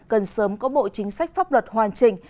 cần sớm có bộ chính sách pháp luật hoàn chỉnh